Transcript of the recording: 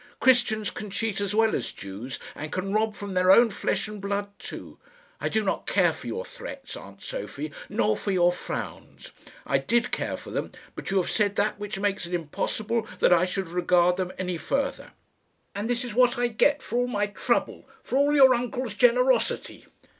Christians can cheat as well as Jews, and can rob from their own flesh and blood too. I do not care for your threats, aunt Sophie, nor for your frowns. I did care for them, but you have said that which makes it impossible that I should regard them any further." "And this is what I get for all my trouble for all your uncle's generosity!"